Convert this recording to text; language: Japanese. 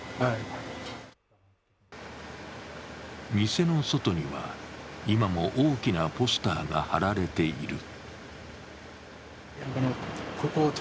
店の外には、今も大きなポスターが貼られている。